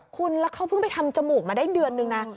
คุณแล้วเขาเพิ่งไปทำจมูกมาได้เดือนนึงนะ